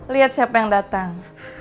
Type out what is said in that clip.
lihat siapa yang datang